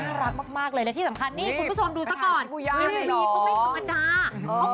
น่ารักมากเลยแล้วที่สำคัญนี่คุณผู้ชมดูซะก่อน